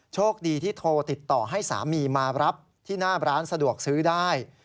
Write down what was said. โชคดีที่โทรติดต่อให้สามีมารับที่หน้าร้านสะดวกซื้อได้